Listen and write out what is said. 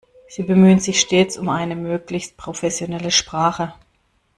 Sie bemühen sich stets um eine möglichst professionelle Sprache.